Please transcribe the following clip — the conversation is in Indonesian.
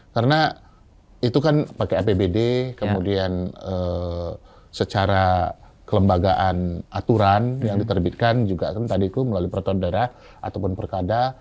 karena itu kan pakai apbd kemudian secara kelembagaan aturan yang diterbitkan juga kan tadi itu melalui perotondara ataupun perkada